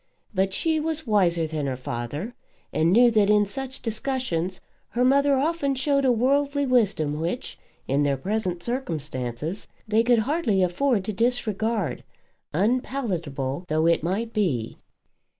But she was wiser than her father, and knew that in such discussions her mother often showed a worldly wisdom which, in their present circumstances, they could hardly afford to disregard, unpalatable though it might be.